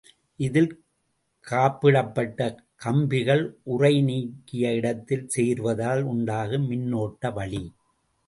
இதில் காப்பிடப்பட்ட கம்பிகள் உறை நீங்கிய இடத்தில் சேருவதால் உண்டாகும் மின்னோட்ட வழி.